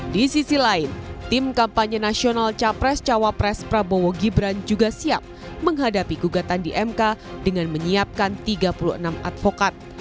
di sisi lain tim kampanye nasional capres cawapres prabowo gibran juga siap menghadapi gugatan di mk dengan menyiapkan tiga puluh enam advokat